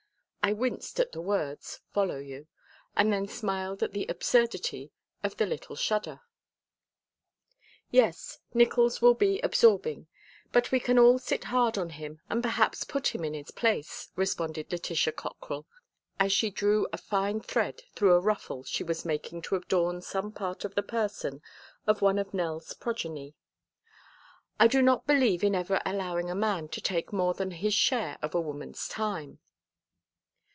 I winced at the words "follow you," and then smiled at the absurdity of the little shudder. "Yes, Nickols will be absorbing, but we can all sit hard on him and perhaps put him in his place," responded Letitia Cockrell, as she drew a fine thread through a ruffle she was making to adorn some part of the person of one of Nell's progeny. "I do not believe in ever allowing a man to take more than his share of a woman's time."